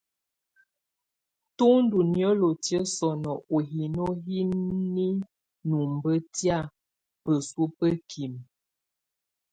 Tù ndù niǝlǝtiǝ́ sɔnɔ ú hino hi ninumbǝ tɛ̀á bǝsuǝ bǝkimǝ.